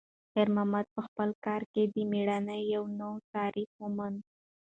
خیر محمد په خپل کار کې د میړانې یو نوی تعریف وموند.